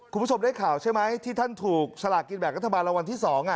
คุณผู้ชมได้ข่าวใช่ไหมที่ท่านถูกสลากกินแบ่งรัฐบาลรางวัลที่๒